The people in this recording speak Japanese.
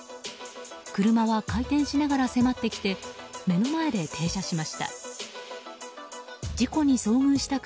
車は回転しながら迫ってきて目の前で停車しました。